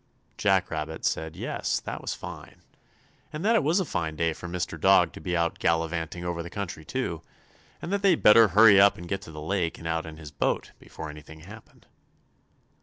Jack Rabbit said yes, that it was fine, and that it was a fine day for Mr. Dog to be out gallivanting over the country, too, and that they'd better hurry up and get to the lake and out in his boat before anything happened.